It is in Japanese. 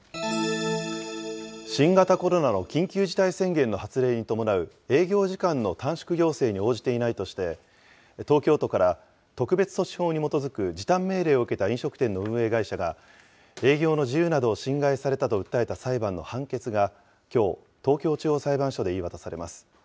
新型コロナの緊急事態宣言の発令に伴う営業時間の短縮要請に応じていないとして、東京都から特別措置法に基づく時短命令を受けた飲食店の運営会社が、営業の自由などを侵害されたと訴えた裁判の判決が、きょう、東京地方裁判所で言い渡されます。